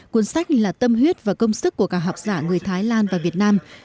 cuốn sách là tâm huyết và công sức của các học giả người thái lan và việt nam